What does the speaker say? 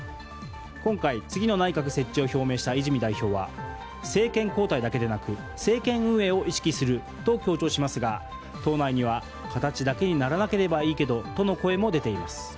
今回、次の内閣設置を表明した泉代表は政権交代だけでなく、政権運営を意識すると強調しますが党内には形だけにならなければいいけどとの声も出ています。